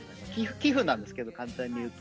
寄付なんですけど、簡単にいうと。